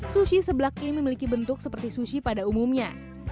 sushi seblak ini memiliki bentuk seperti sushi pada umumnya